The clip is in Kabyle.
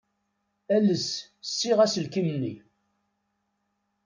Ales ssiɣ aselkim-nni.